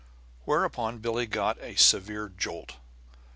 Whereupon Billie got a severe jolt.